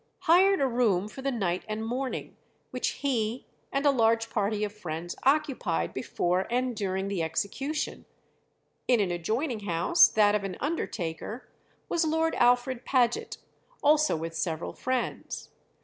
hired a room for the night and morning, which he and a large party of friends occupied before and during the execution; in an adjoining house, that of an undertaker, was Lord Alfred Paget, also with several friends.